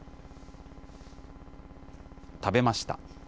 食べました。